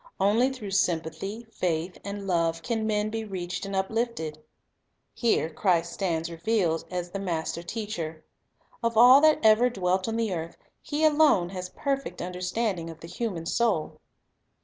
Only through sympathy, faith, and love can men be reached and uplifted. Here Christ stands revealed as the master teacher; of all that ever dwelt on the earth, He alone has perfect understanding of the human soul.